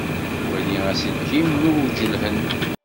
Wali aselkin n uwgelhen.